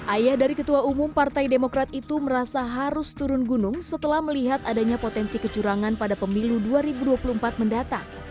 ayah dari ketua umum partai demokrat itu merasa harus turun gunung setelah melihat adanya potensi kecurangan pada pemilu dua ribu dua puluh empat mendatang